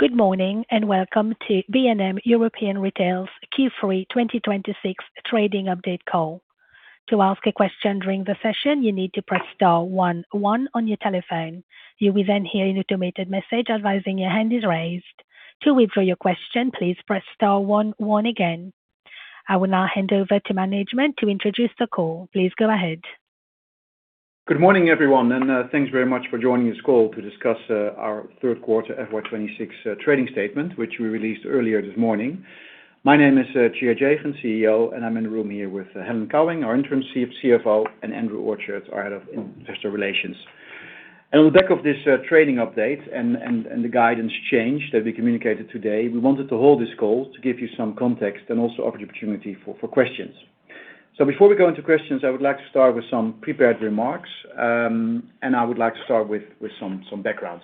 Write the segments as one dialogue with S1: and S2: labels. S1: Good morning and welcome to B&M European Value Retail's FY 2026 Trading Update Call. To ask a question during the session, you need to press star 11 on your telephone. You will then hear an automated message advising your hand is raised. To withdraw your question, please press star 11 again. I will now hand over to management to introduce the call. Please go ahead.
S2: Good morning, everyone, and thanks very much for joining this call to discuss our Q3 FY 2026 trading statement, which we released earlier this morning. My name is Tjeerd Jegen, CEO, and I'm in the room here with Helen Cowing, our interim CFO, and Andrew Orchard, our head of investor relations. And on the back of this trading update and the guidance change that we communicated today, we wanted to hold this call to give you some context and also offer the opportunity for questions. So before we go into questions, I would like to start with some prepared remarks, and I would like to start with some background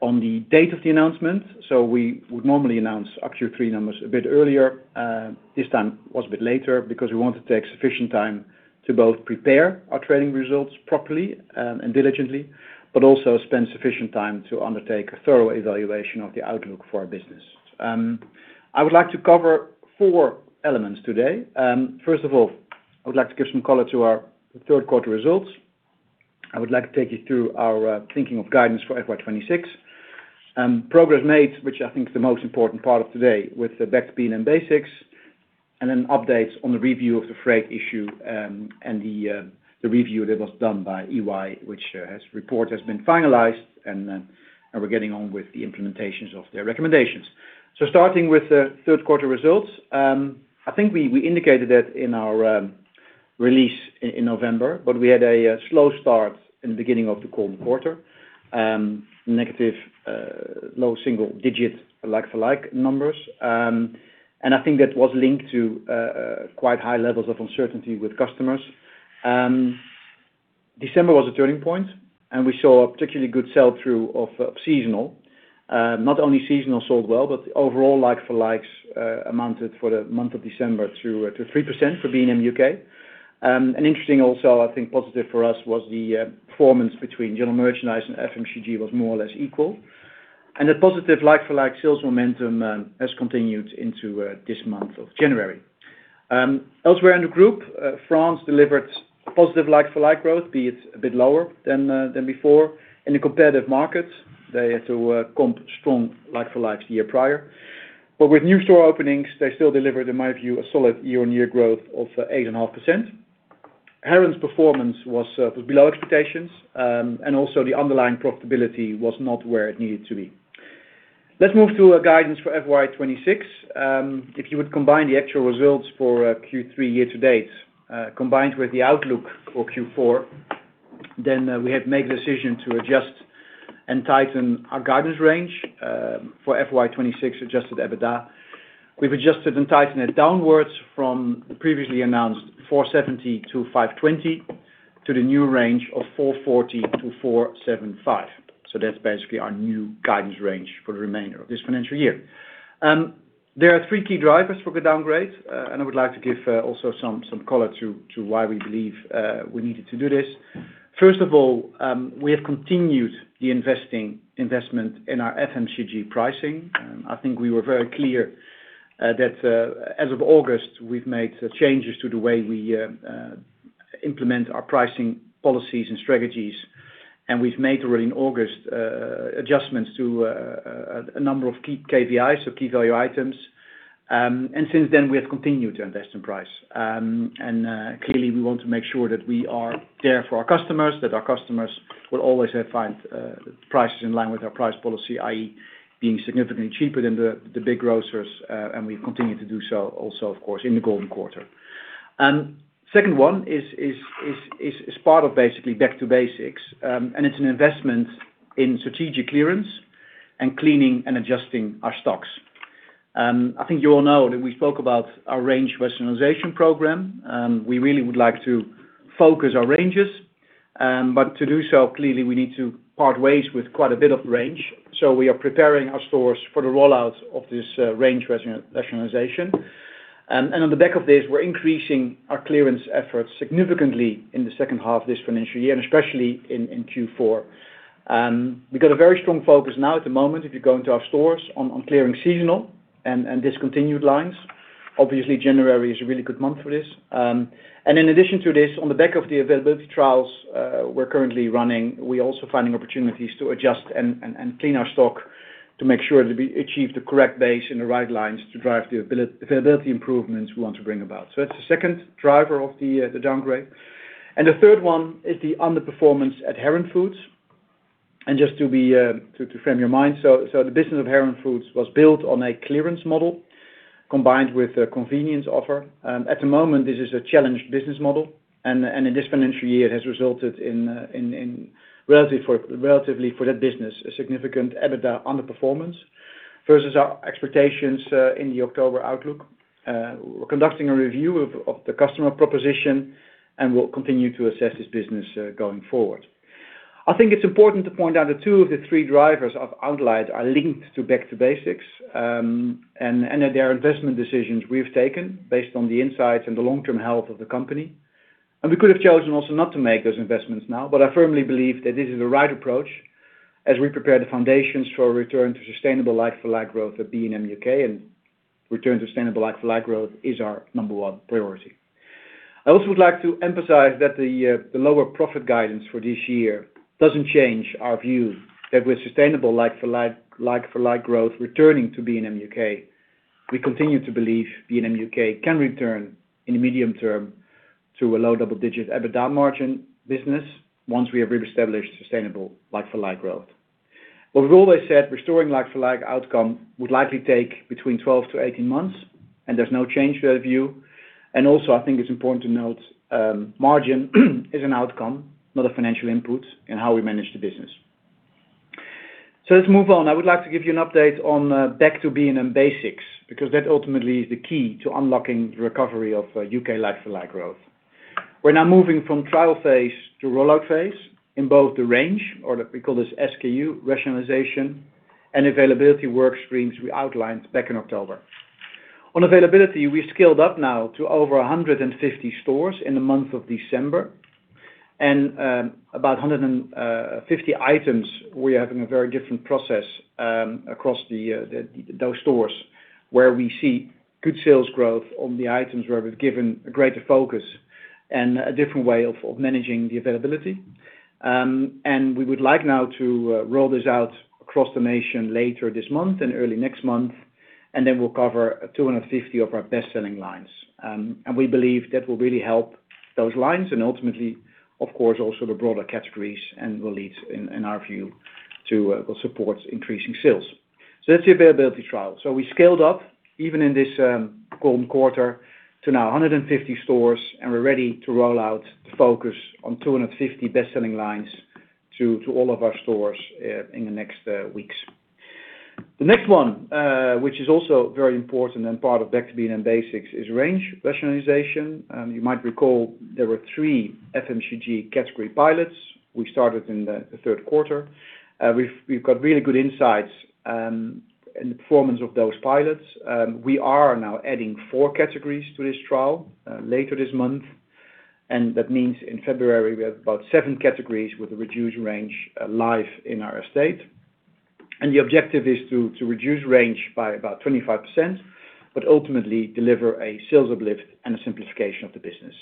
S2: on the date of the announcement. So we would normally announce actual Q3 numbers a bit earlier. This time was a bit later because we wanted to take sufficient time to both prepare our trading results properly and diligently, but also spend sufficient time to undertake a thorough evaluation of the outlook for our business. I would like to cover four elements today. First of all, I would like to give some color to our Q3 results. I would like to take you through our thinking of guidance for FY 2026, progress made, which I think is the most important part of today with the B&M Basics, and then updates on the review of the freight issue and the review that was done by EY, which report has been finalized, and we're getting on with the implementations of their recommendations. Starting with the Q3 results, I think we indicated that in our release in November, but we had a slow start in the beginning of the quarter, negative low single digit like-for-like numbers. And I think that was linked to quite high levels of uncertainty with customers. December was a turning point, and we saw a particularly good sell-through of seasonal. Not only seasonal sold well, but overall like-for-likes amounted for the month of December to 3% for B&M UK. And interesting also, I think positive for us was the performance between general merchandise and FMCG was more or less equal. And the positive like-for-like sales momentum has continued into this month of January. Elsewhere in the group, France delivered positive like-for-like growth, be it a bit lower than before. In the competitive markets, they had to comp strong like-for-likes the year prior. But with new store openings, they still delivered, in my view, a solid year-on-year growth of 8.5%. Heron's performance was below expectations, and also the underlying profitability was not where it needed to be. Let's move to guidance for FY 2026. If you would combine the actual results for Q3 year to date, combined with the outlook for Q4, then we have made a decision to adjust and tighten our guidance range for FY 2026 adjusted EBITDA. We've adjusted and tightened it downwards from the previously announced 470-520 to the new range of 440-475. So that's basically our new guidance range for the remainder of this financial year. There are three key drivers for the downgrade, and I would like to give also some color to why we believe we needed to do this. First of all, we have continued the investment in our FMCG pricing. I think we were very clear that as of August, we've made changes to the way we implement our pricing policies and strategies, and we've made already in August adjustments to a number of key KVIs, so key value items, and since then, we have continued to invest in price, and clearly, we want to make sure that we are there for our customers, that our customers will always find prices in line with our price policy, i.e., being significantly cheaper than the big grocers, and we continue to do so also, of course, in the Golden Quarter. Second one is part of basically back to basics, and it's an investment in strategic clearance and cleaning and adjusting our stocks. I think you all know that we spoke about our Range Rationalization program. We really would like to focus our ranges, but to do so, clearly, we need to part ways with quite a bit of range. So we are preparing our stores for the rollout of this Range Rationalization. And on the back of this, we're increasing our clearance efforts significantly in the H2 of this financial year, and especially in Q4. We got a very strong focus now at the moment, if you go into our stores, on clearing seasonal and discontinued lines. Obviously, January is a really good month for this. And in addition to this, on the back of the availability trials we're currently running, we're also finding opportunities to adjust and clean our stock to make sure that we achieve the correct base in the right lines to drive the availability improvements we want to bring about. So that's the second driver of the downgrade. The third one is the underperformance at Heron Foods. Just to frame your mind, so the business of Heron Foods was built on a clearance model combined with a convenience offer. At the moment, this is a challenged business model, and in this financial year, it has resulted in, relatively for that business, a significant EBITDA underperformance versus our expectations in the October outlook. We're conducting a review of the customer proposition, and we'll continue to assess this business going forward. I think it's important to point out that two of the three drivers I've outlined are linked to Back to B&M Basics, and they are investment decisions we've taken based on the insights and the long-term health of the company. And we could have chosen also not to make those investments now, but I firmly believe that this is the right approach as we prepare the foundations for return to sustainable like-for-like growth at B&M UK, and return to sustainable like-for-like growth is our number one priority. I also would like to emphasize that the lower profit guidance for this year doesn't change our view that with sustainable like-for-like growth returning to B&M UK, we continue to believe B&M UK can return in the medium term to a low double-digit EBITDA margin business once we have re-established sustainable like-for-like growth. But we've always said restoring like-for-like outcome would likely take between 12 to 18 months, and there's no change to that view. And also, I think it's important to note margin is an outcome, not a financial input in how we manage the business. So let's move on. I would like to give you an update on Back to B&M Basics because that ultimately is the key to unlocking the recovery of U.K. like-for-like growth. We're now moving from trial phase to rollout phase in both the range, or we call this SKU rationalization, and availability work streams we outlined back in October. On availability, we've scaled up now to over 150 stores in the month of December, and about 150 items we're having a very different process across those stores where we see good sales growth on the items where we've given a greater focus and a different way of managing the availability, and we would like now to roll this out across the nation later this month and early next month, and then we'll cover 250 of our best-selling lines. We believe that will really help those lines and ultimately, of course, also the broader categories and will lead, in our view, to support increasing sales. That's the availability trial. We scaled up even in this Golden Quarter to now 150 stores, and we're ready to roll out the focus on 250 best-selling lines to all of our stores in the next weeks. The next one, which is also very important and part of Back to B&M Basics, is Range Rationalization. You might recall there were three FMCG category pilots we started in the Q3. We've got really good insights in the performance of those pilots. We are now adding four categories to this trial later this month, and that means in February we have about seven categories with a reduced range live in our estate. The objective is to reduce range by about 25%, but ultimately deliver a sales uplift and a simplification of the business.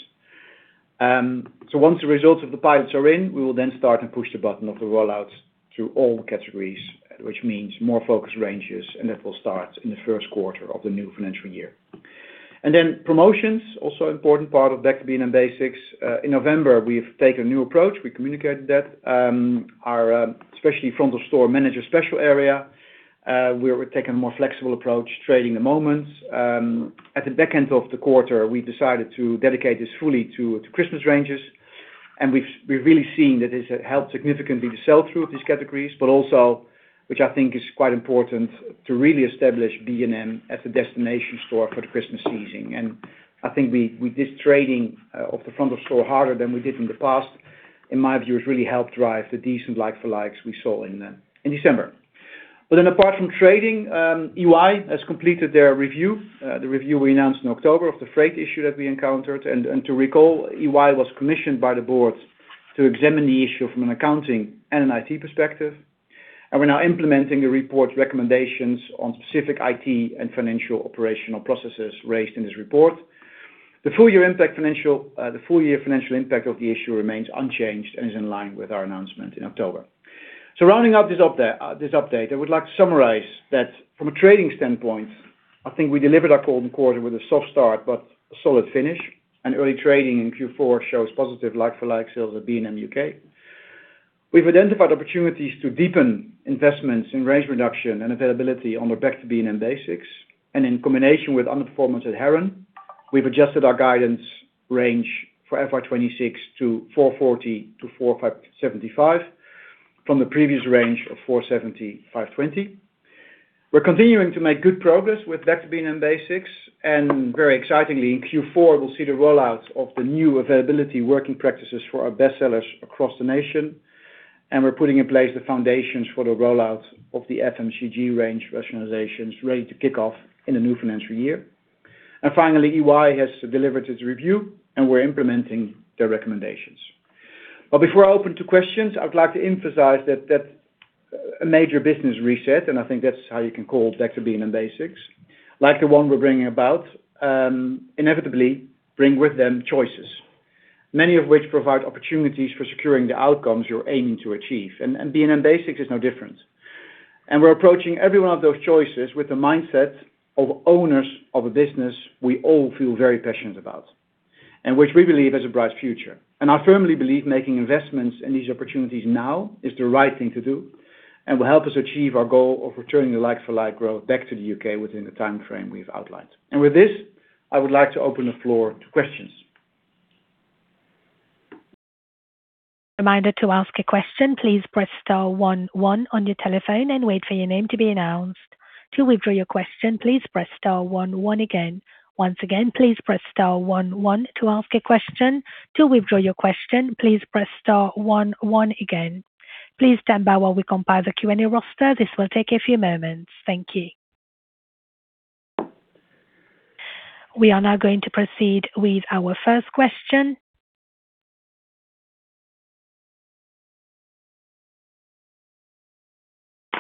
S2: So once the results of the pilots are in, we will then start and push the button of the rollouts to all categories, which means more focused ranges, and that will start in the Q1 of the new financial year. Then promotions, also an important part of Back to B&M Basics. In November, we've taken a new approach. We communicated that our specialty front of store manager special area, we're taking a more flexible approach, trading the moments. At the back end of the quarter, we decided to dedicate this fully to Christmas ranges, and we've really seen that this has helped significantly the sell-through of these categories, but also, which I think is quite important, to really establish B&M as a destination store for the Christmas season. And I think this trading of the front of store harder than we did in the past, in my view, has really helped drive the decent like-for-likes we saw in December. But then apart from trading, EY has completed their review, the review we announced in October of the freight issue that we encountered. And to recall, EY was commissioned by the board to examine the issue from an accounting and an IT perspective. And we're now implementing the report's recommendations on specific IT and financial operational processes raised in this report. The full-year impact of the issue remains unchanged and is in line with our announcement in October. So rounding out this update, I would like to summarize that from a trading standpoint, I think we delivered our Golden Quarter with a soft start but a solid finish. And early trading in Q4 shows positive like-for-like sales at B&M UK. We've identified opportunities to deepen investments in range reduction and availability on the Back to B&M Basics. And in combination with underperformance at Heron, we've adjusted our guidance range for FY 2026 to 440-475 from the previous range of 470-520. We're continuing to make good progress with Back to B&M Basics. And very excitingly, in Q4, we'll see the rollout of the new availability working practices for our best sellers across the nation. And we're putting in place the foundations for the rollout of the FMCG range rationalizations ready to kick off in the new financial year. And finally, EY has delivered its review, and we're implementing their recommendations. But before I open to questions, I would like to emphasize that a major business reset, and I think that's how you can call Back to B&M Basics, like the one we're bringing about, inevitably bring with them choices, many of which provide opportunities for securing the outcomes you're aiming to achieve. And B&M Basics is no different. And we're approaching every one of those choices with the mindset of owners of a business we all feel very passionate about and which we believe has a bright future. I firmly believe making investments in these opportunities now is the right thing to do and will help us achieve our goal of returning the like-for-like growth back to the UK within the time frame we've outlined. With this, I would like to open the floor to questions.
S1: Reminder to ask a question. Please press star 11 on your telephone and wait for your name to be announced. To withdraw your question, please press star 11 again. Once again, please press star 11 to ask a question. To withdraw your question, please press star 11 again. Please stand by while we compile the Q&A roster. This will take a few moments. Thank you. We are now going to proceed with our first question.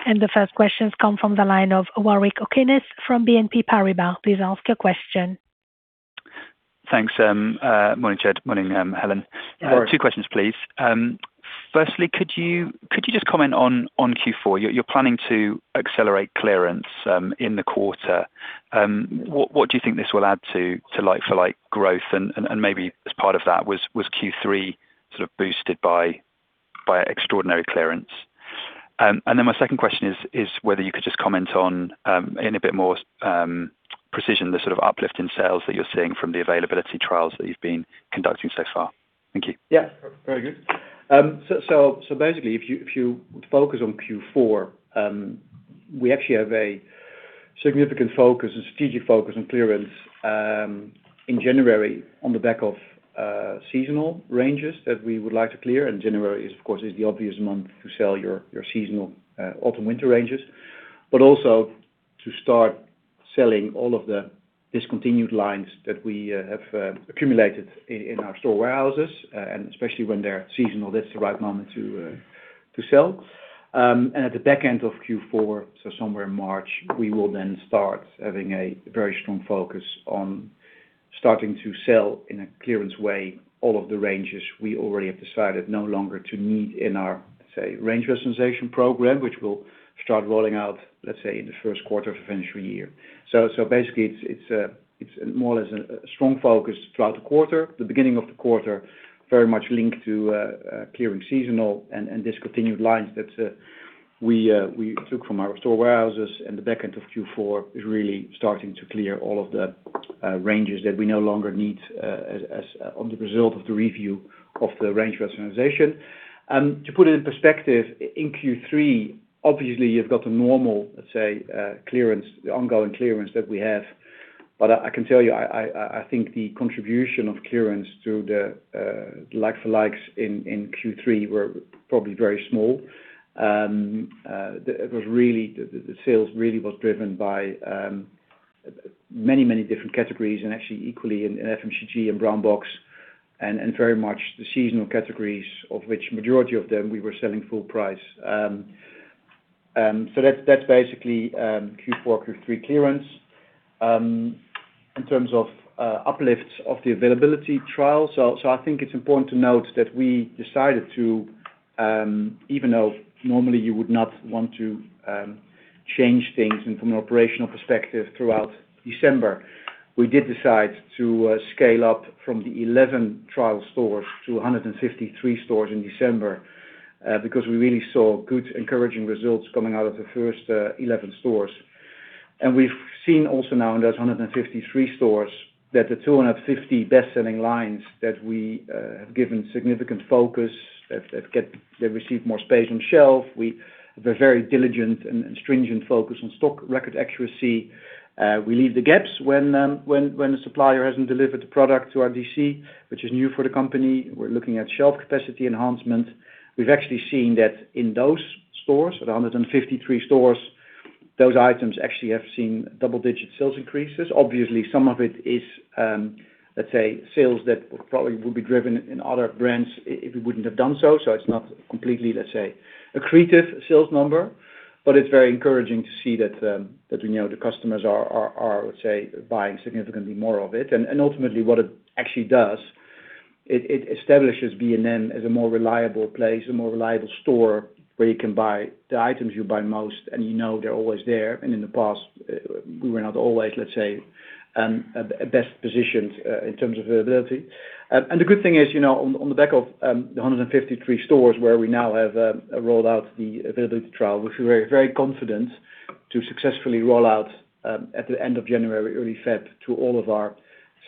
S1: The first question comes from the line of Warwick Okines from BNP Paribas. Please ask your question.
S3: Thanks. Morning, Tjeerd. Morning, Helen. Two questions, please. Firstly, could you just comment on Q4? You're planning to accelerate clearance in the quarter. What do you think this will add to like-for-like growth? And maybe as part of that, was Q3 sort of boosted by extraordinary clearance? And then my second question is whether you could just comment on, in a bit more precision, the sort of uplift in sales that you're seeing from the availability trials that you've been conducting so far. Thank you.
S2: Yeah. Very good, so basically, if you focus on Q4, we actually have a significant focus and strategic focus on clearance in January on the back of seasonal ranges that we would like to clear, and January, of course, is the obvious month to sell your seasonal autumn-winter ranges, but also to start selling all of the discontinued lines that we have accumulated in our store warehouses. Especially when they're seasonal, that's the right moment to sell. At the back end of Q4, so somewhere in March, we will then start having a very strong focus on starting to sell in a clearance way all of the ranges we already have decided no longer to need in our, let's say, Range Rationalization program, which will start rolling out, let's say, in the Q1 of the financial year. Basically, it's more or less a strong focus throughout the quarter, the beginning of the quarter, very much linked to clearing seasonal and discontinued lines that we took from our store warehouses. The back end of Q4 is really starting to clear all of the ranges that we no longer need as a result of the review of the Range Rationalization. To put it in perspective, in Q3, obviously, you've got the normal, let's say, ongoing clearance that we have. But I can tell you, I think the contribution of clearance to the like-for-likes in Q3 were probably very small. It was really the sales was driven by many, many different categories and actually equally in FMCG and Brown Box and very much the seasonal categories, of which the majority of them we were selling full price. So that's basically Q4, Q3 clearance. In terms of uplift of the availability trial, so I think it's important to note that we decided to, even though normally you would not want to change things from an operational perspective throughout December, we did decide to scale up from the 11 trial stores to 153 stores in December because we really saw good encouraging results coming out of the first 11 stores. We've seen also now in those 153 stores that the 250 best-selling lines that we have given significant focus. They've received more space on shelf. We have a very diligent and stringent focus on stock record accuracy. We leave the gaps when the supplier hasn't delivered the product to our DC, which is new for the company. We're looking at shelf capacity enhancement. We've actually seen that in those stores, at 153 stores, those items actually have seen double-digit sales increases. Obviously, some of it is, let's say, sales that probably would be driven in other brands if we wouldn't have done so. So it's not completely, let's say, accretive sales number, but it's very encouraging to see that we know the customers are, let's say, buying significantly more of it. Ultimately, what it actually does, it establishes B&M as a more reliable place, a more reliable store where you can buy the items you buy most, and you know they're always there. In the past, we were not always, let's say, best positioned in terms of availability. The good thing is, on the back of the 153 stores where we now have rolled out the availability trial, we're very confident to successfully roll out at the end of January, early February, to all of our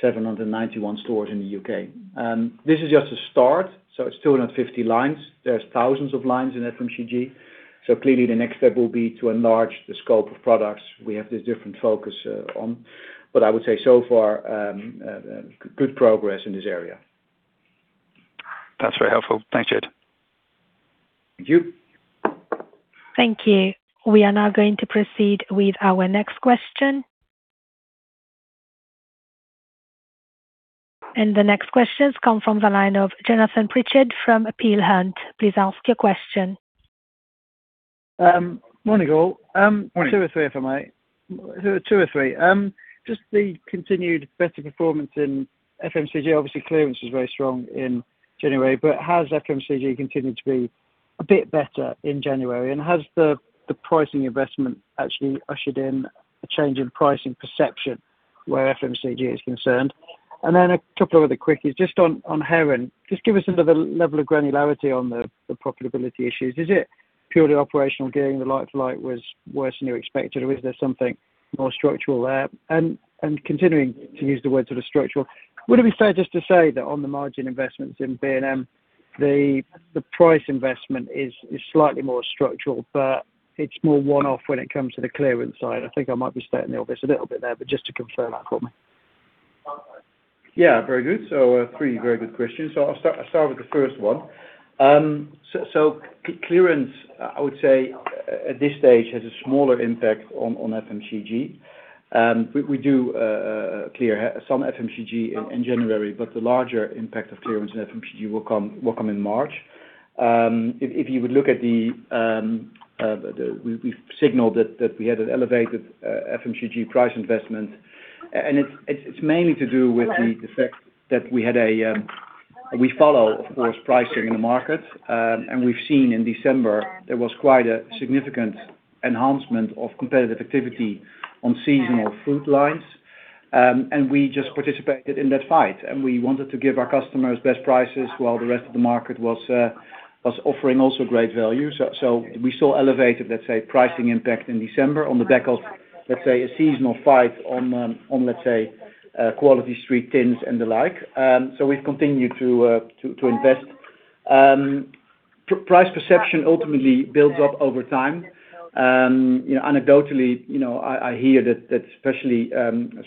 S2: 791 stores in the UK. This is just a start, so it's 250 lines. There's thousands of lines in FMCG. So clearly, the next step will be to enlarge the scope of products we have this different focus on. I would say so far, good progress in this area.
S3: That's very helpful. Thanks, Tjeerd.
S2: Thank you.
S1: Thank you. We are now going to proceed with our next question. And the next questions come from the line of Jonathan Pritchard from Peel Hunt. Please ask your question.
S4: Morning, all.
S2: Morning.
S4: Two or three if I may. Two or three. Just the continued better performance in FMCG. Obviously, clearance was very strong in January, but has FMCG continued to be a bit better in January? And has the pricing investment actually ushered in a change in pricing perception where FMCG is concerned? And then a couple of other quickies. Just on Heron, just give us another level of granularity on the profitability issues. Is it purely operational gearing? The like-for-like was worse than you expected, or is there something more structural there? Continuing to use the word sort of structural, would it be fair just to say that on the margin investments in B&M, the price investment is slightly more structural, but it's more one-off when it comes to the clearance side? I think I might be stating the obvious a little bit there, but just to confirm that for me.
S2: Yeah. Very good. So three very good questions. So I'll start with the first one. So clearance, I would say at this stage, has a smaller impact on FMCG. We do clear some FMCG in January, but the larger impact of clearance in FMCG will come in March. If you would look at that we've signaled that we had an elevated FMCG price investment, and it's mainly to do with the fact that we had, we follow, of course, pricing in the market. We've seen in December there was quite a significant enhancement of competitive activity on seasonal fruit lines. We just participated in that fight, and we wanted to give our customers best prices while the rest of the market was offering also great value. We saw elevated, let's say, pricing impact in December on the back of, let's say, a seasonal fight on, let's say, Quality Street tins and the like. We've continued to invest. Price perception ultimately builds up over time. Anecdotally, I hear that especially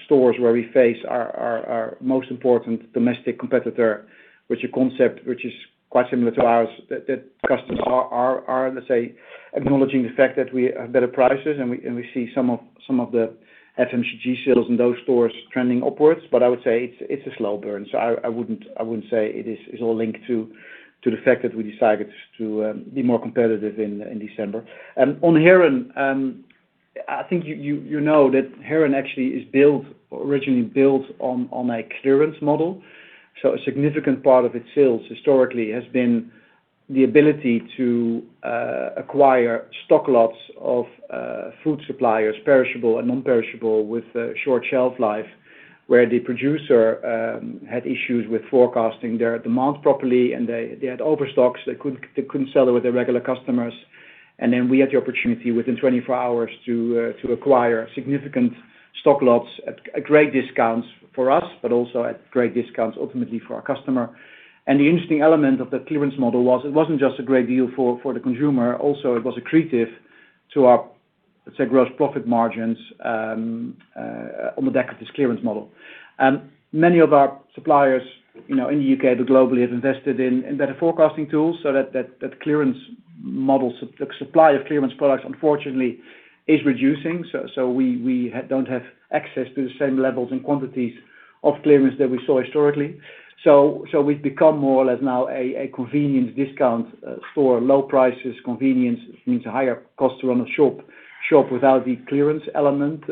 S2: stores where we face our most important domestic competitor, which is a concept which is quite similar to ours, that customers are, let's say, acknowledging the fact that we have better prices, and we see some of the FMCG sales in those stores trending upwards. I would say it's a slow burn. So I wouldn't say it is all linked to the fact that we decided to be more competitive in December. On Heron, I think you know that Heron actually is originally built on a clearance model. So a significant part of its sales historically has been the ability to acquire stocklots of food suppliers, perishable and non-perishable, with short shelf life, where the producer had issues with forecasting their demand properly, and they had overstocks. They couldn't sell it with their regular customers. And then we had the opportunity within 24 hours to acquire significant stocklots at great discounts for us, but also at great discounts ultimately for our customer. And the interesting element of the clearance model was it wasn't just a great deal for the consumer. Also, it was accretive to our, let's say, gross profit margins on the back of this clearance model. Many of our suppliers in the U.K., but globally, have invested in better forecasting tools. So that clearance model, the supply of clearance products, unfortunately, is reducing. So we don't have access to the same levels and quantities of clearance that we saw historically. So we've become more or less now a convenience discount store. Low prices, convenience means a higher cost to run a shop without the clearance element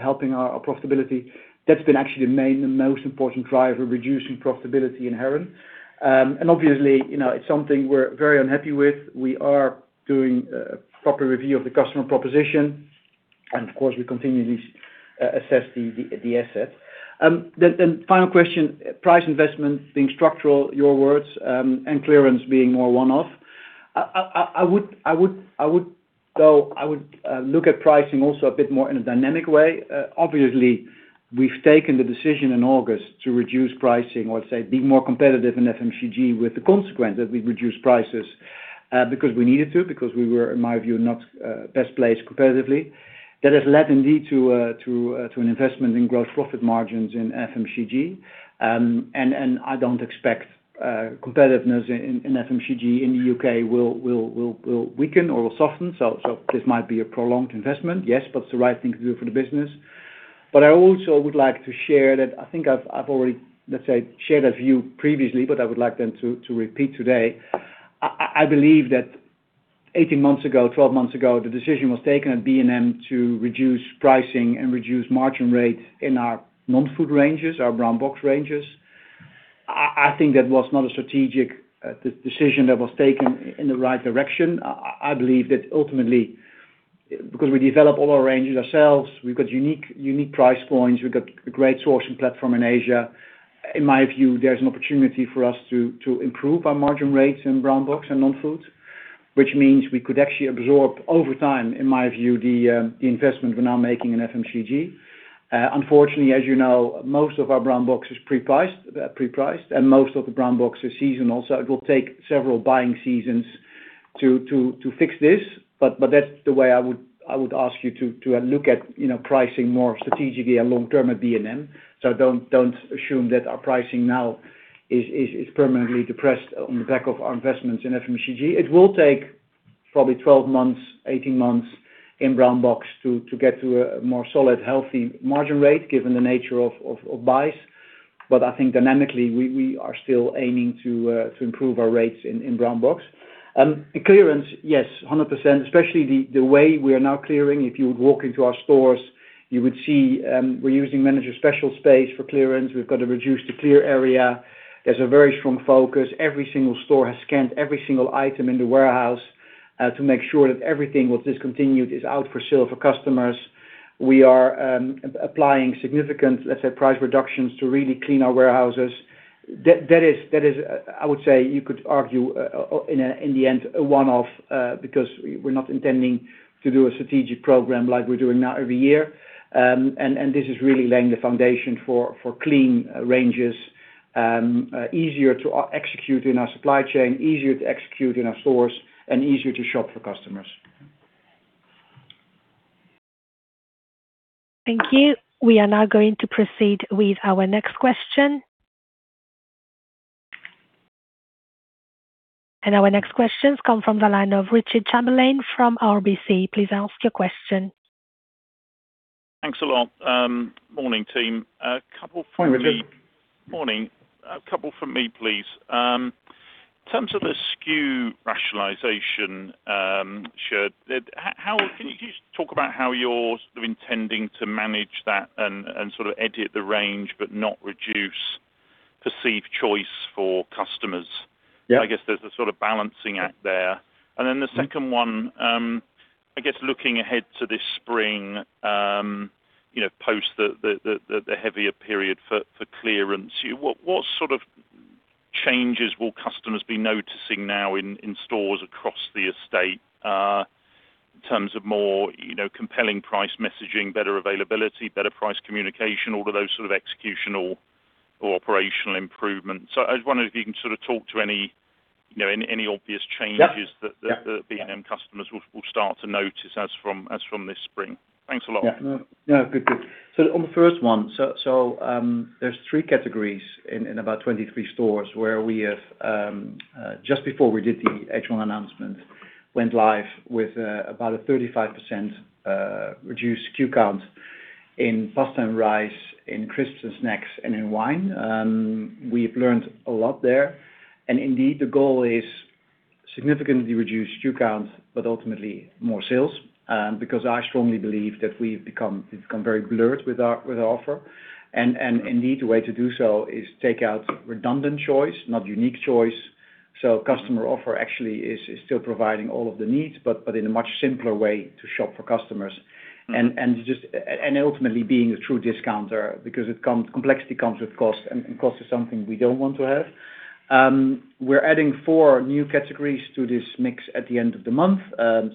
S2: helping our profitability. That's been actually the main and most important driver reducing profitability in Heron. And obviously, it's something we're very unhappy with. We are doing a proper review of the customer proposition. And of course, we continually assess the asset. Then final question, price investment being structural, your words, and clearance being more one-off. I would, though, I would look at pricing also a bit more in a dynamic way. Obviously, we've taken the decision in August to reduce pricing or, let's say, be more competitive in FMCG with the consequence that we've reduced prices because we needed to, because we were, in my view, not best placed competitively. That has led indeed to an investment in gross profit margins in FMCG. And I don't expect competitiveness in FMCG in the UK will weaken or will soften. So this might be a prolonged investment, yes, but it's the right thing to do for the business. But I also would like to share that I think I've already, let's say, shared a view previously, but I would like then to repeat today. I believe that 18 months ago, 12 months ago, the decision was taken at B&M to reduce pricing and reduce margin rates in our non-food ranges, our Brown Box ranges. I think that was not a strategic decision that was taken in the right direction. I believe that ultimately, because we develop all our ranges ourselves, we've got unique price points. We've got a great sourcing platform in Asia. In my view, there's an opportunity for us to improve our margin rates in Brown Box and non-foods, which means we could actually absorb over time, in my view, the investment we're now making in FMCG. Unfortunately, as you know, most of our Brown Box is pre-priced, and most of the Brown Box is seasonal. So it will take several buying seasons to fix this. But that's the way I would ask you to look at pricing more strategically and long-term at B&M. So don't assume that our pricing now is permanently depressed on the back of our investments in FMCG. It will take probably 12 months, 18 months in Brown Box to get to a more solid, healthy margin rate given the nature of buys, but I think dynamically, we are still aiming to improve our rates in Brown Box. Clearance, yes, 100%, especially the way we are now clearing. If you would walk into our stores, you would see we're using manager special space for clearance. We've got to reduce the clearance area. There's a very strong focus. Every single store has scanned every single item in the warehouse to make sure that everything was discontinued is out for sale for customers. We are applying significant, let's say, price reductions to really clean our warehouses. That is, I would say, you could argue in the end, a one-off because we're not intending to do a strategic program like we're doing now every year. This is really laying the foundation for clean ranges, easier to execute in our supply chain, easier to execute in our stores, and easier to shop for customers.
S1: Thank you. We are now going to proceed with our next question. Our next questions come from the line of Richard Chamberlain from RBC. Please ask your question.
S5: Thanks a lot. Morning, team. A couple from me. Morning. A couple from me, please. In terms of the SKU rationalization, Tjeerd, can you just talk about how you're sort of intending to manage that and sort of edit the range but not reduce perceived choice for customers? I guess there's a sort of balancing act there. Then the second one, I guess looking ahead to this spring, post the heavier period for clearance, what sort of changes will customers be noticing now in stores across the estate in terms of more compelling price messaging, better availability, better price communication, all of those sort of executional or operational improvements? So I just wonder if you can sort of talk to any obvious changes that B&M customers will start to notice as from this spring. Thanks a lot.
S2: Yeah. No. Good, good. On the first one, so there's three categories in about 23 stores where we have, just before we did the H1 announcement, went live with about a 35% reduced SKU count in pasta, rice in crisps and snacks and in wine. We've learned a lot there. And indeed, the goal is significantly reduced SKU count, but ultimately more sales because I strongly believe that we've become very blurred with our offer. And indeed, the way to do so is take out redundant choice, not unique choice. So customer offer actually is still providing all of the needs, but in a much simpler way to shop for customers. And ultimately being a true discounter because complexity comes with cost, and cost is something we don't want to have. We're adding four new categories to this mix at the end of the month.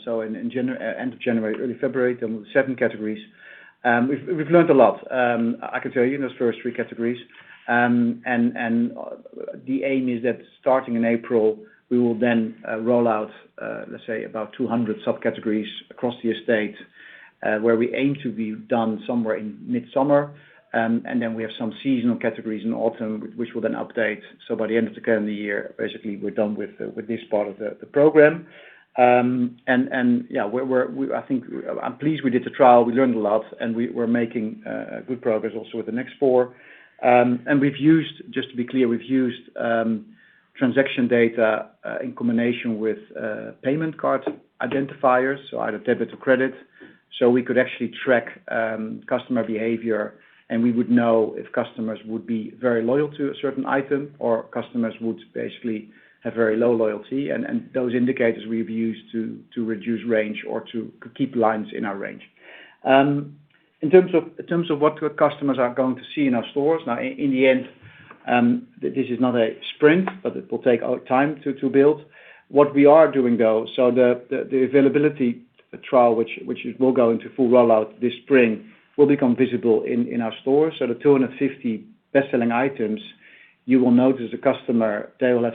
S2: So in end of January, early February, there will be seven categories. We've learned a lot. I can tell you in those first three categories. And the aim is that starting in April, we will then roll out, let's say, about 200 subcategories across the estate where we aim to be done somewhere in mid-summer. And then we have some seasonal categories in autumn, which will then update. So by the end of the current year, basically, we're done with this part of the program. And yeah, I think I'm pleased we did the trial. We learned a lot, and we're making good progress also with the next four. And we've used, just to be clear, we've used transaction data in combination with payment card identifiers, so either debit or credit, so we could actually track customer behavior. And we would know if customers would be very loyal to a certain item or customers would basically have very low loyalty. And those indicators we've used to reduce range or to keep lines in our range. In terms of what customers are going to see in our stores, now, in the end, this is not a sprint, but it will take time to build. What we are doing, though, so the availability trial, which will go into full rollout this spring, will become visible in our stores. So the 250 best-selling items, you will notice the customer, they will have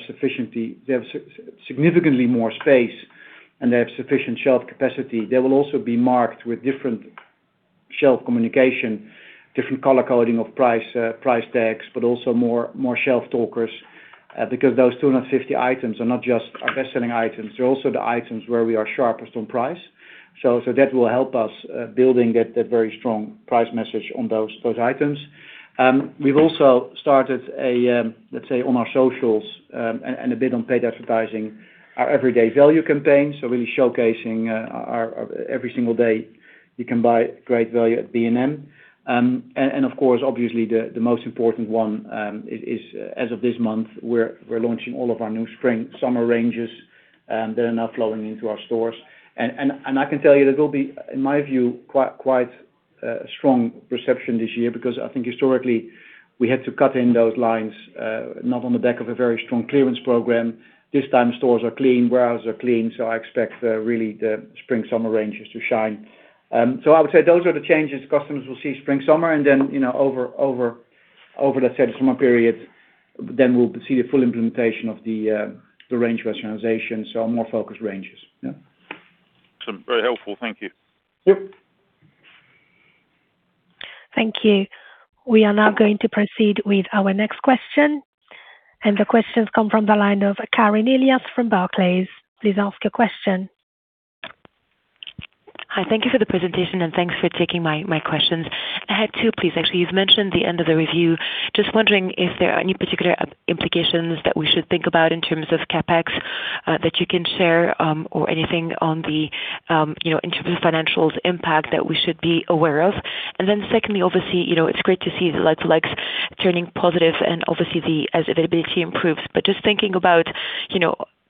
S2: significantly more space, and they have sufficient shelf capacity. They will also be marked with different shelf communication, different color coding of price tags, but also more shelf talkers because those 250 items are not just our best-selling items. They're also the items where we are sharpest on price. So that will help us building that very strong price message on those items. We've also started a, let's say, on our socials and a bit on paid advertising, our everyday value campaign. So really showcasing every single day you can buy great value at B&M. Of course, obviously, the most important one is, as of this month, we're launching all of our new spring-summer ranges that are now flowing into our stores. I can tell you that will be, in my view, quite a strong perception this year because I think historically we had to cut in those lines not on the back of a very strong clearance program. This time, stores are clean. Warehouses are clean. I expect really the spring-summer ranges to shine. I would say those are the changes customers will see spring-summer. Over, let's say, the summer period, then we'll see the full implementation of the range rationalization. More focused ranges. Yeah.
S5: Awesome. Very helpful. Thank you.
S2: Yep.
S1: Thank you. We are now going to proceed with our next question. The questions come from the line of Karine Elias from Barclays. Please ask your question.
S6: Hi. Thank you for the presentation, and thanks for taking my questions. I had two, please, actually. You've mentioned the end of the review. Just wondering if there are any particular implications that we should think about in terms of CapEx that you can share or anything in terms of financial impact that we should be aware of. And then secondly, obviously, it's great to see the like-for-likes turning positive and obviously the availability improves. But just thinking about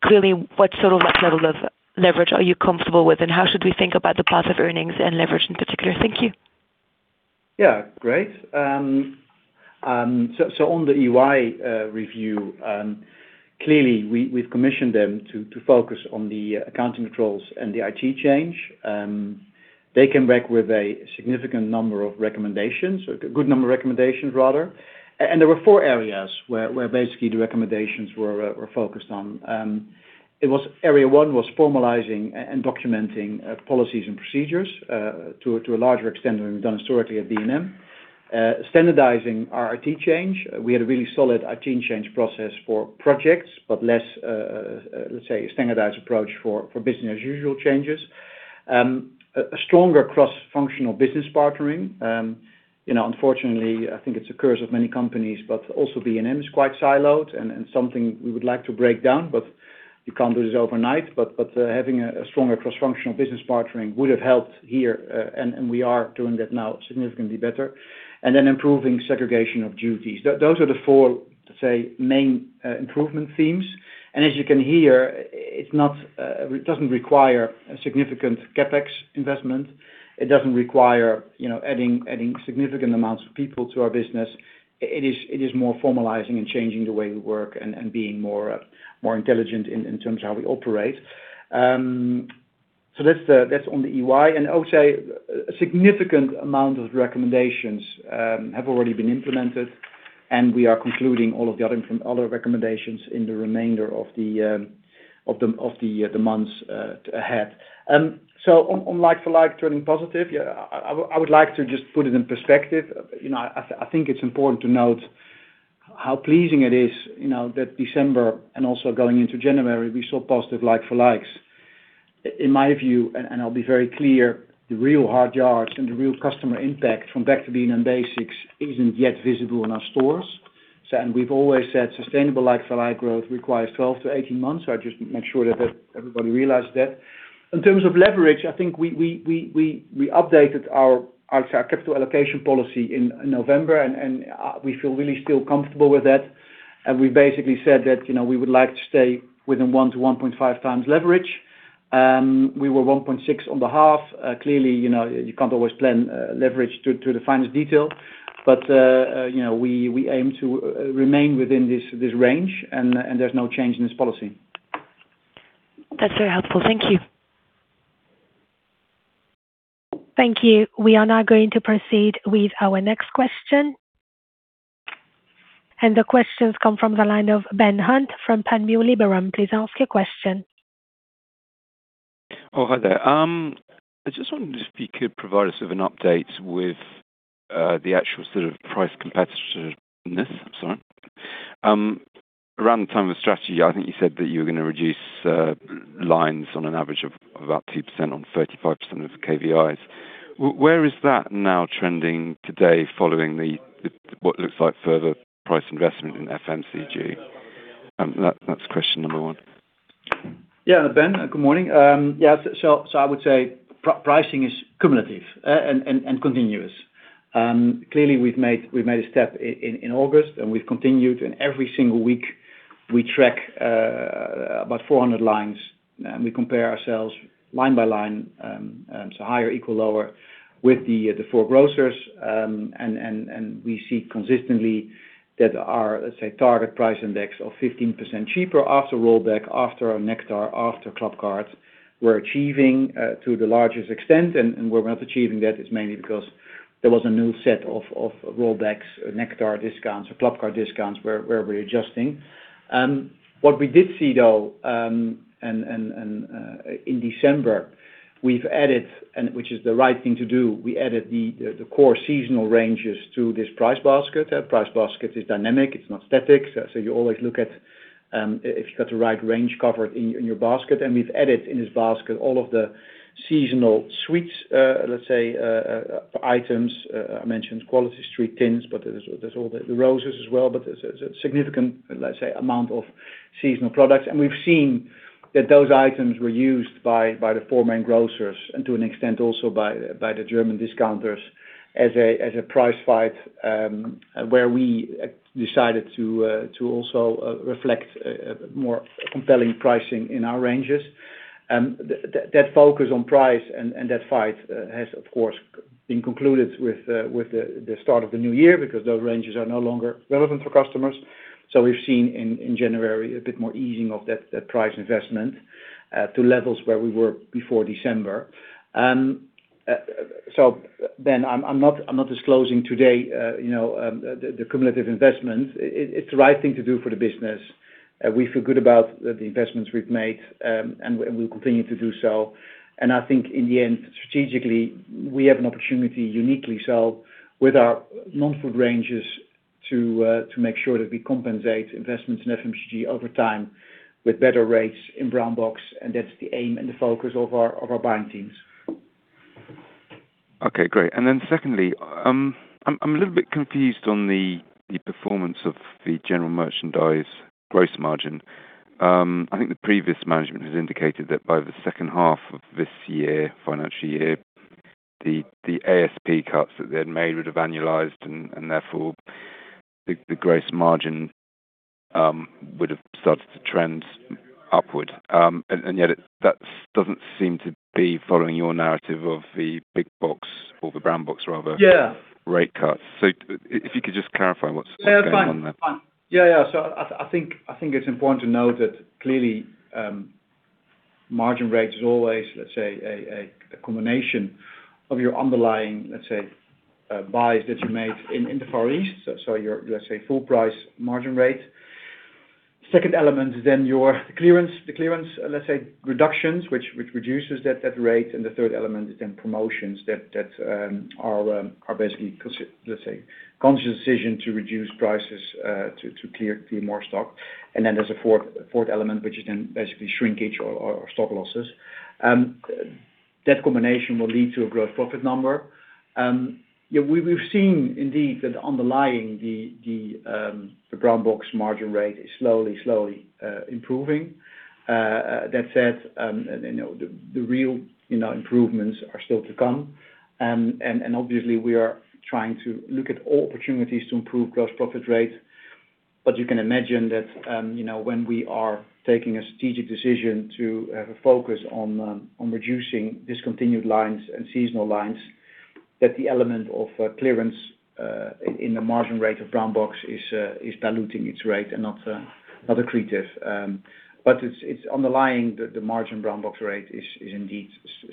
S6: clearly what sort of level of leverage are you comfortable with, and how should we think about the path of earnings and leverage in particular? Thank you.
S2: Yeah. Great. So on the EY review, clearly, we've commissioned them to focus on the accounting controls and the IT change. They came back with a significant number of recommendations, a good number of recommendations, rather. There were four areas where basically the recommendations were focused on. Area one was formalizing and documenting policies and procedures to a larger extent than we've done historically at B&M, standardizing our IT change. We had a really solid IT change process for projects, but less, let's say, a standardized approach for business-as-usual changes, a stronger cross-functional business partnering. Unfortunately, I think it's a curse of many companies, but also B&M is quite siloed and something we would like to break down, but you can't do this overnight. Having a stronger cross-functional business partnering would have helped here, and we are doing that now significantly better. Then, improving segregation of duties. Those are the four, let's say, main improvement themes. As you can hear, it doesn't require a significant CapEx investment. It doesn't require adding significant amounts of people to our business. It is more formalizing and changing the way we work and being more intelligent in terms of how we operate, so that's on the EY. And I would say a significant amount of recommendations have already been implemented, and we are concluding all of the other recommendations in the remainder of the months ahead, so on like-for-like turning positive, I would like to just put it in perspective. I think it's important to note how pleasing it is that December and also going into January, we saw positive like-for-likes. In my view, and I'll be very clear, the real hard yards and the real customer impact from Back to B&M Basics isn't yet visible in our stores, and we've always said sustainable like-for-like growth requires 12 to 18 months. I just make sure that everybody realizes that. In terms of leverage, I think we updated our capital allocation policy in November, and we feel really still comfortable with that. And we basically said that we would like to stay within 1 to 1.5 times leverage. We were 1.6 on the half. Clearly, you can't always plan leverage to the finest detail, but we aim to remain within this range, and there's no change in this policy.
S6: That's very helpful. Thank you.
S1: Thank you. We are now going to proceed with our next question. And the questions come from the line of Ben Hunt from Panmure Liberum. Please ask your question.
S7: Oh, hi there. I just wanted to be clear, provide us with an update with the actual sort of price competitiveness. Sorry. Around the time of strategy, I think you said that you were going to reduce lines on an average of about 2% on 35% of KVIs. Where is that now trending today following what looks like further price investment in FMCG? That's question number one.
S2: Yeah. Ben, good morning. Yeah. So I would say pricing is cumulative and continuous. Clearly, we've made a step in August, and we've continued, and every single week, we track about 400 lines, and we compare ourselves line by line, so higher, equal, lower with the four grocers, and we see consistently that our, let's say, target price index of 15% cheaper after rollback, after Nectar, after Clubcard were achieving to the largest extent, and where we're not achieving that is mainly because there was a new set of rollbacks, Nectar discounts, or Clubcard discounts where we're adjusting. What we did see, though, in December, we've added, which is the right thing to do, we added the core seasonal ranges to this price basket. Price basket is dynamic. It's not static, so you always look at if you've got the right range covered in your basket, and we've added in this basket all of the seasonal sweets, let's say, items. I mentioned Quality Street tins, but there's all the Roses as well, but there's a significant, let's say, amount of seasonal products, and we've seen that those items were used by the four main grocers and to an extent also by the German discounters as a price fight where we decided to also reflect more compelling pricing in our ranges. That focus on price and that fight has, of course, been concluded with the start of the new year because those ranges are no longer relevant for customers. So, we've seen in January a bit more easing of that price investment to levels where we were before December. So, Ben, I'm not disclosing today the cumulative investment. It's the right thing to do for the business. We feel good about the investments we've made, and we'll continue to do so. And I think in the end, strategically, we have an opportunity uniquely so with our non-food ranges to make sure that we compensate investments in FMCG over time with better rates in brown box. And that's the aim and the focus of our buying teams.
S7: Okay. Great. And then secondly, I'm a little bit confused on the performance of the general merchandise gross margin. I think the previous management has indicated that by the H2 of this year, financial year, the ASP cuts that they had made would have annualized, and therefore the gross margin would have started to trend upward, and yet that doesn't seem to be following your narrative of the big box or the brown box, rather, rate cuts, so if you could just clarify what's going on there.
S2: Yeah. Yeah, so I think it's important to note that clearly, margin rate is always, let's say, a combination of your underlying, let's say, buys that you made in the Far East. So let's say full price margin rate. Second element is then your clearance, let's say, reductions, which reduces that rate. And the third element is then promotions that are basically, let's say, conscious decision to reduce prices to clear more stock. And then there's a fourth element, which is then basically shrinkage or stock losses. That combination will lead to a gross profit number. We've seen indeed that underlying the brown box margin rate is slowly, slowly improving. That said, the real improvements are still to come. And obviously, we are trying to look at all opportunities to improve gross profit rate. But you can imagine that when we are taking a strategic decision to have a focus on reducing discontinued lines and seasonal lines, that the element of clearance in the margin rate of brown box is diluting its rate and not accretive. But it's underlying the margin brown box rate is indeed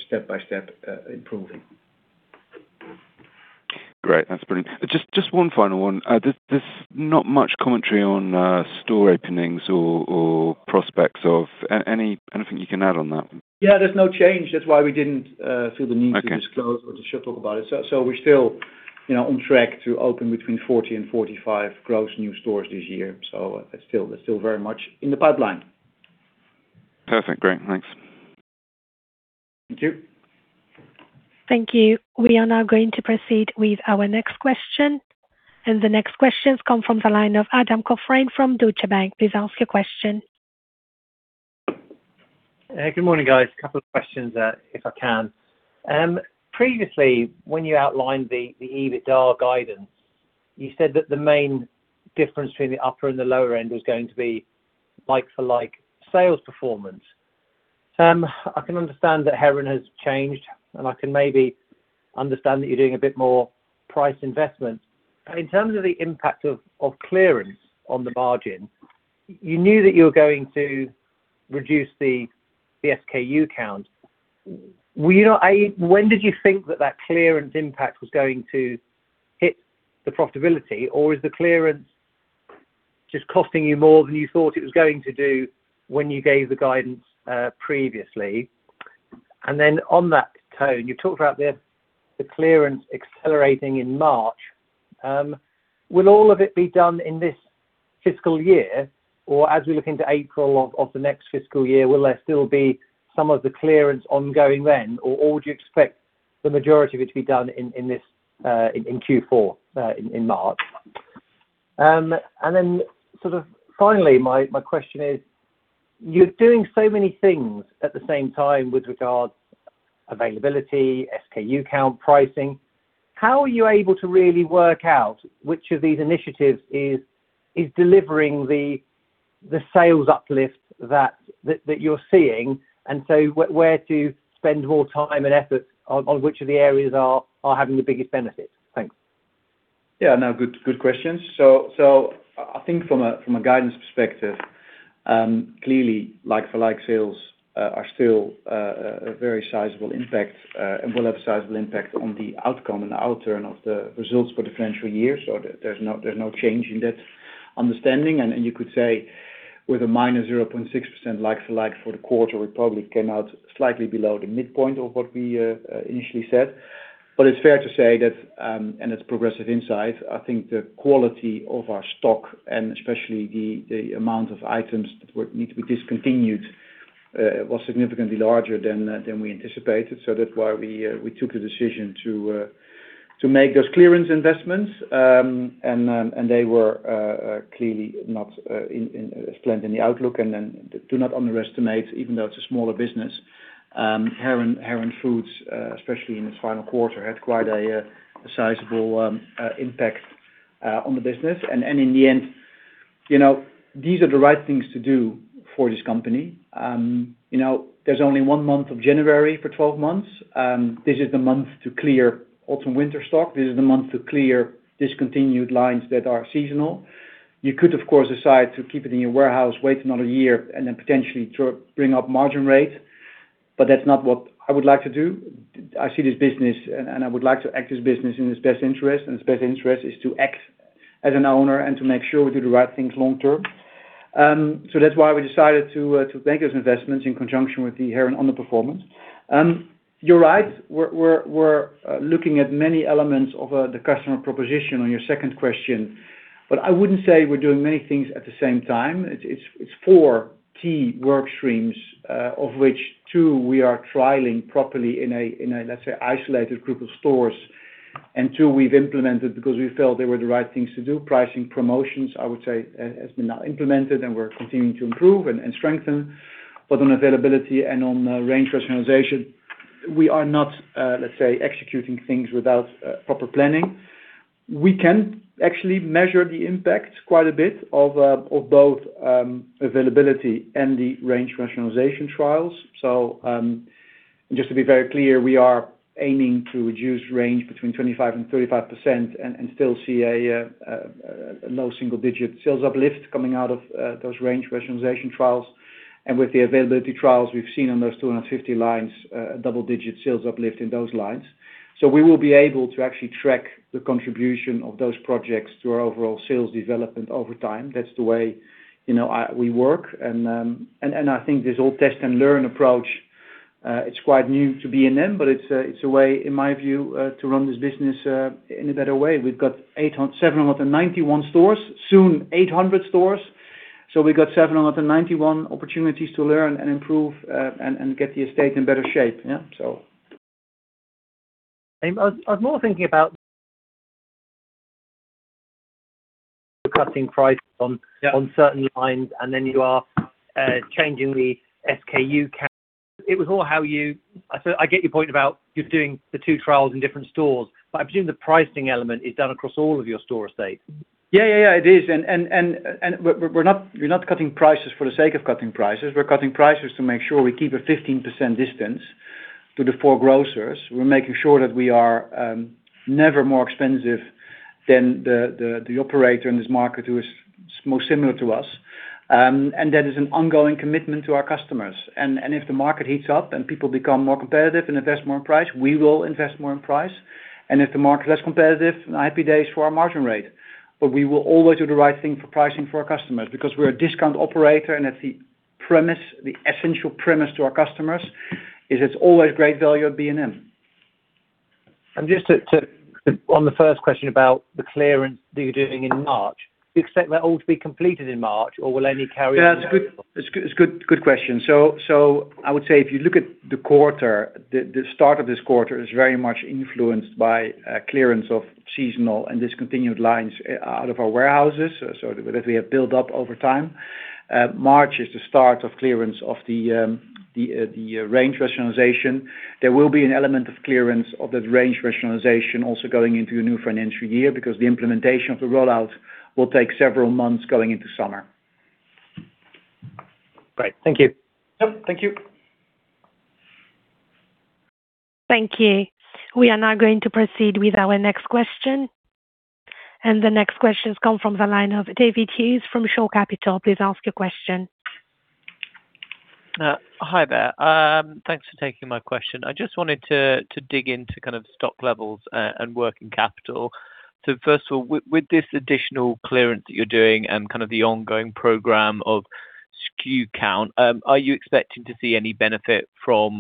S2: step by step improving.
S7: Great. That's brilliant. Just one final one. There's not much commentary on store openings or prospects of anything you can add on that.
S2: Yeah. There's no change. That's why we didn't feel the need to disclose or to talk about it. So we're still on track to open between 40 and 45 gross new stores this year. So that's still very much in the pipeline.
S7: Perfect. Great. Thanks.
S2: You too.
S1: Thank you. We are now going to proceed with our next question. The next questions come from the line of Adam Cochrane from Deutsche Bank. Please ask your question.
S8: Good morning, guys. A couple of questions, if I can. Previously, when you outlined the EBITDA guidance, you said that the main difference between the upper and the lower end was going to be like-for-like sales performance. I can understand that Heron has changed, and I can maybe understand that you're doing a bit more price investment. In terms of the impact of clearance on the margin, you knew that you were going to reduce the SKU count. When did you think that that clearance impact was going to hit the profitability, or is the clearance just costing you more than you thought it was going to do when you gave the guidance previously? And then on that tone, you've talked about the clearance accelerating in March. Will all of it be done in this fiscal year, or as we look into April of the next fiscal year, will there still be some of the clearance ongoing then, or do you expect the majority of it to be done in Q4 in March? And then sort of finally, my question is, you're doing so many things at the same time with regards to availability, SKU count, pricing. How are you able to really work out which of these initiatives is delivering the sales uplift that you're seeing? And so where to spend more time and effort on which of the areas are having the biggest benefit? Thanks.
S2: Yeah. No. Good questions. So I think from a guidance perspective, clearly, like-for-like sales are still a very sizable impact and will have a sizable impact on the outcome and the outturn of the results for the financial year. So there's no change in that understanding. And you could say with a minor 0.6% like-for-like for the quarter, we probably came out slightly below the midpoint of what we initially said. But it's fair to say that, and it's progressive insight, I think the quality of our stock, and especially the amount of items that need to be discontinued, was significantly larger than we anticipated. That's why we took the decision to make those clearance investments. They were clearly not splendid in the outlook. Do not underestimate, even though it's a smaller business, Heron Foods, especially in its final quarter, had quite a sizable impact on the business. In the end, these are the right things to do for this company. There's only one month of January for 12 months. This is the month to clear autumn-winter stock. This is the month to clear discontinued lines that are seasonal. You could, of course, decide to keep it in your warehouse, wait another year, and then potentially bring up margin rate. That's not what I would like to do. I see this business, and I would like to act as business in its best interest. Its best interest is to act as an owner and to make sure we do the right things long term. That's why we decided to make those investments in conjunction with the Heron underperformance. You're right. We're looking at many elements of the customer proposition on your second question, but I wouldn't say we're doing many things at the same time. It's four key workstreams, of which two we are trialing properly in a, let's say, isolated group of stores, and two we've implemented because we felt they were the right things to do. Pricing promotions, I would say, have been now implemented, and we're continuing to improve and strengthen. On availability and on range rationalization, we are not, let's say, executing things without proper planning. We can actually measure the impact quite a bit of both availability and the range rationalization trials. So just to be very clear, we are aiming to reduce range between 25%-35% and still see a low single-digit sales uplift coming out of those range rationalization trials. And with the availability trials, we've seen on those 250 lines, a double-digit sales uplift in those lines. So we will be able to actually track the contribution of those projects to our overall sales development over time. That's the way we work. And I think this whole test-and-learn approach, it's quite new to B&M, but it's a way, in my view, to run this business in a better way. We've got 791 stores, soon 800 stores. So we've got 791 opportunities to learn and improve and get the estate in better shape. Yeah. So.
S8: I was more thinking about cutting prices on certain lines, and then you are changing the SKU. I get your point about you're doing the two trials in different stores, but I presume the pricing element is done across all of your store estate.
S2: Yeah. Yeah. Yeah. It is. We're not cutting prices for the sake of cutting prices. We're cutting prices to make sure we keep a 15% distance to the four grocers. We're making sure that we are never more expensive than the operator in this market who is most similar to us. That is an ongoing commitment to our customers. If the market heats up and people become more competitive and invest more in price, we will invest more in price. If the market's less competitive, happy days for our margin rate. We will always do the right thing for pricing for our customers because we're a discount operator. That's the premise, the essential premise to our customers, is it's always great value at B&M.
S8: Just on the first question about the clearance that you're doing in March, do you expect that all to be completed in March, or will any carry on?
S2: Yeah. That's a good question. I would say if you look at the quarter, the start of this quarter is very much influenced by clearance of seasonal and discontinued lines out of our warehouses that we have built up over time. March is the start of clearance of the range rationalization. There will be an element of clearance of that range rationalization also going into the new financial year because the implementation of the rollout will take several months going into summer.
S8: Great. Thank you.
S2: Yep. Thank you.
S1: Thank you. We are now going to proceed with our next question. And the next questions come from the line of David Hughes from Shore Capital. Please ask your question.
S9: Hi there. Thanks for taking my question. I just wanted to dig into kind of stock levels and working capital. So first of all, with this additional clearance that you're doing and kind of the ongoing program of SKU count, are you expecting to see any benefit from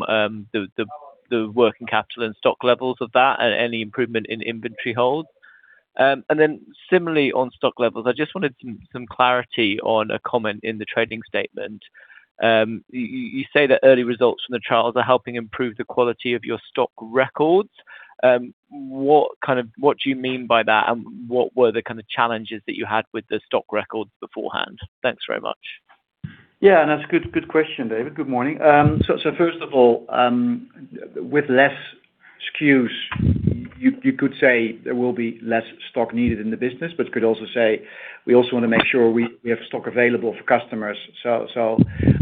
S9: the working capital and stock levels of that and any improvement in inventory holes? And then similarly on stock levels, I just wanted some clarity on a comment in the trading statement. You say that early results from the trials are helping improve the quality of your stock records. What do you mean by that, and what were the kind of challenges that you had with the stock records beforehand? Thanks very much.
S2: Yeah. And that's a good question, David. Good morning. So first of all, with less SKUs, you could say there will be less stock needed in the business, but you could also say we also want to make sure we have stock available for customers. So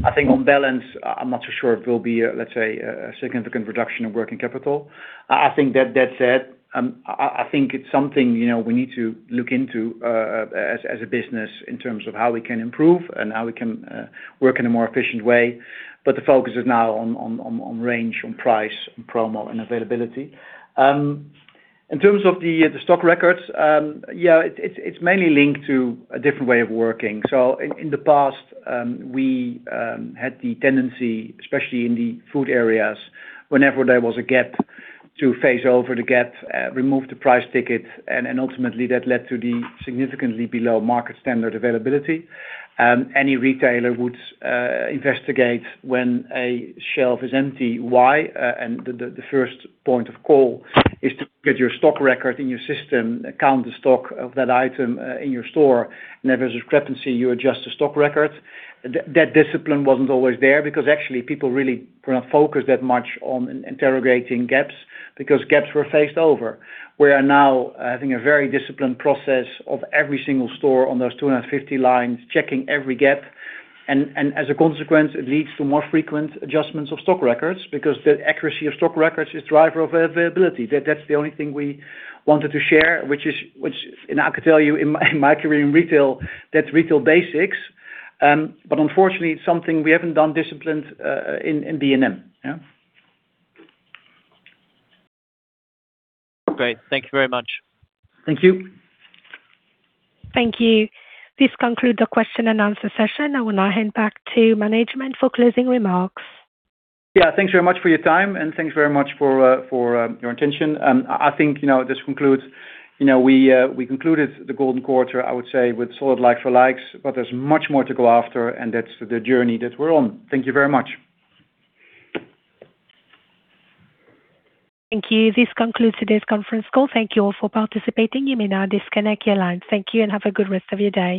S2: I think on balance, I'm not so sure there'll be, let's say, a significant reduction in working capital. I think that said, I think it's something we need to look into as a business in terms of how we can improve and how we can work in a more efficient way. But the focus is now on range, on price, on promo, and availability. In terms of the stock records, yeah, it's mainly linked to a different way of working. So in the past, we had the tendency, especially in the food areas, whenever there was a gap, to face over the gap, remove the price ticket, and ultimately, that led to the significantly below market standard availability. Any retailer would investigate when a shelf is empty, why. And the first point of call is to get your stock record in your system, count the stock of that item in your store. And if there's a discrepancy, you adjust the stock record. That discipline wasn't always there because actually, people really were not focused that much on interrogating gaps because gaps were faced over. We are now having a very disciplined process of every single store on those 250 lines, checking every gap. And as a consequence, it leads to more frequent adjustments of stock records because the accuracy of stock records is the driver of availability. That's the only thing we wanted to share, which, I could tell you, in my career in retail, that's retail basics, but unfortunately, it's something we haven't done disciplined in B&M. Yeah.
S9: Great. Thank you very much.
S2: Thank you.
S1: Thank you. This concludes the question and answer session. I will now hand back to management for closing remarks.
S2: Yeah. Thanks very much for your time, and thanks very much for your attention. I think this concludes we concluded the golden quarter, I would say, with solid like-for-likes, but there's much more to go after, and that's the journey that we're on. Thank you very much.
S1: Thank you. This concludes today's conference call. Thank you all for participating. You may now disconnect your lines. Thank you, and have a good rest of your day.